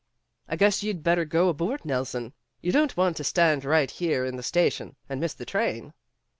"I guess you'd bet ter go aboard, Nelson. You don't want to stand right here in the station, and miss the train."